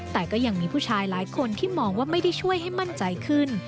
แต่ก็ยังมีผู้ชายหลายคนที่มองว่าไม่ได้ช่วยให้มั่นใจขึ้น